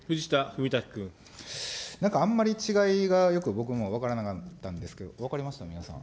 なんかあんまり違いがよく僕も分からなかったんですけど、分かりました、皆さん。